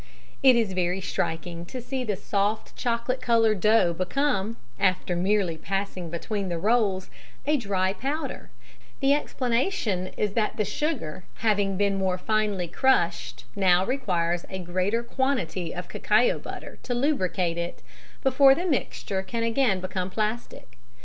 It is very striking to see the soft chocolate coloured dough become, after merely passing between the rolls, a dry powder the explanation is that the sugar having been more finely crushed now requires a greater quantity of cacao butter to lubricate it before the mixture can again become plastic.